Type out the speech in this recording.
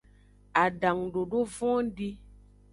Adangudodo vondi.